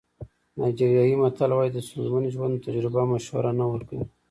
نایجیریایي متل وایي د ستونزمن ژوند تجربه مشوره نه ورکوي.